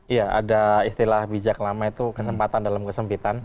iya ada istilah bijak lama itu kesempatan dalam kesempitan